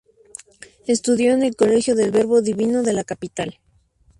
Estudió en el Colegio del Verbo Divino de la capital.